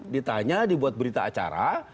ditanya dibuat berita acara